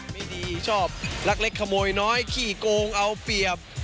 ไม่ดีชอบลักเล็กขโมยน้อยขี้โกงเอาเปรียบ